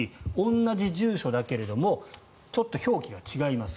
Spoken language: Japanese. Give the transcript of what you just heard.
同じ住所だけれどもちょっと表記が違います。